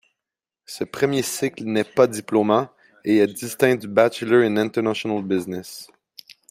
Ce premier cycle n'est pas diplômant, et est distinct du Bachelor in International Business.